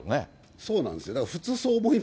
そうなんですよ。